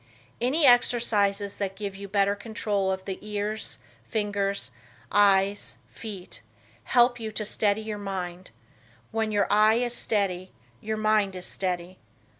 Any exercises that give you better control of the ears, fingers, eyes, feet, help you to steady your mind; when your eye is steady, your mind is steady.